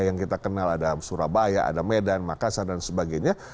yang kita kenal ada surabaya ada medan makassar dan sebagainya